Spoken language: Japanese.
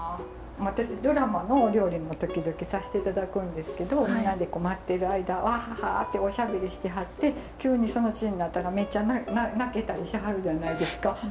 私ドラマのお料理も時々さしていただくんですけどみんなで待ってる間「ワハハ」っておしゃべりしてはって急にそのシーンになったらめっちゃ泣けたりしはるじゃないですか。